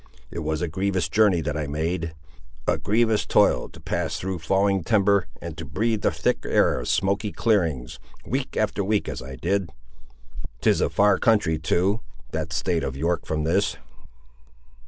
It was a grievous journey that I made; a grievous toil to pass through falling timber and to breathe the thick air of smoky clearings, week after week, as I did! 'Tis a far country too, that state of York from this!"